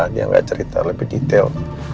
dia nggak cerita lebih detail